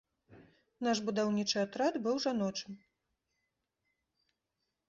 Наш будаўнічы атрад быў жаночым.